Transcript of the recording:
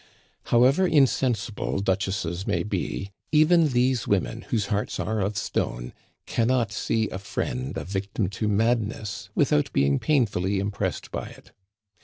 However insensible duchesses may be, even these women, whose hearts are of stone, cannot see a friend a victim to madness without being painfully impressed by it.